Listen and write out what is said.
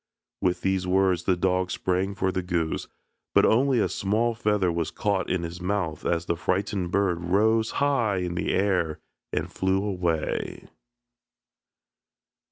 With these words the dog sprang for the goose, but only a small feather was caught in his mouth as the frightened bird rose high in the air and flew away.